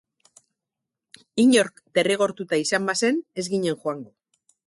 Inork derrigortuta izan bazen, ez ginen joango.